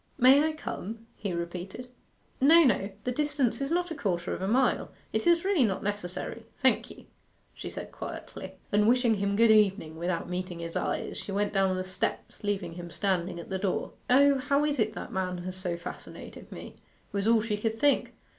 'May I come?' he repeated. 'No, no. The distance is not a quarter of a mile it is really not necessary, thank you,' she said quietly. And wishing him good evening, without meeting his eyes, she went down the steps, leaving him standing at the door. 'O, how is it that man has so fascinated me?' was all she could think.